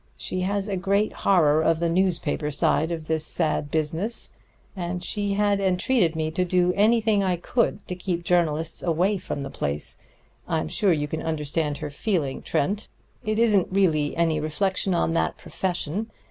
She has a great horror of the newspaper side of this sad business, and she had entreated me to do anything I could to keep journalists away from the place I'm sure you can understand her feeling, Trent; it isn't really any reflection on that profession.